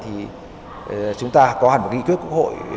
thì chúng ta có hẳn một nghị quyết của hội